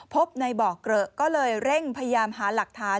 พบในเบาะเกลอะก็เลยเร่งพยายามหาหลักฐาน